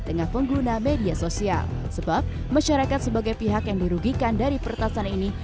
tengah pengguna media sosial sebab masyarakat sebagai pihak yang dirugikan dari peretasan ini